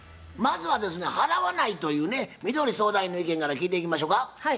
まずはですね払わないというねみどり相談員の意見から聞いていきましょか。